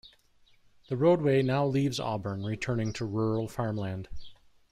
The roadway now leaves Auburn, returning to rural farmland.